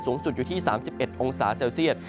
สูงสุดอยู่ที่๓๑องศาเซลเซียต